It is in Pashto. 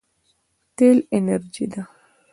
تېل انرژي ده.